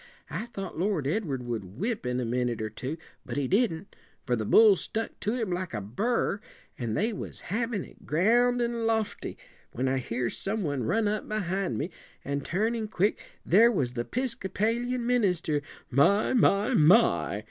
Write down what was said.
I thought Lord Edward would whip in a minute or two; but he didn't, for the bull stuck to him like a burr, and they was havin' it, ground and lofty, when I hears some one run up behind me, an' turnin' quick, there was the 'piscopalian minister. 'My! my! my!'